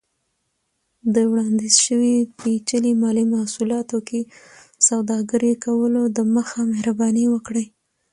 د وړاندیز شوي پیچلي مالي محصولاتو کې سوداګرۍ کولو دمخه، مهرباني وکړئ